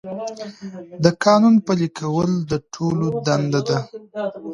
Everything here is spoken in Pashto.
د قانون پلي کول د ټولو دنده ده.